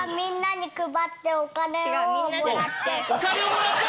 「お金をもらって」